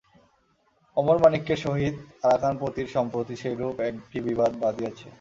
অমরমাণিক্যের সহিত আরাকানপতির সম্প্রতি সেইরূপ একটি বিবাদ বাধিয়াছে।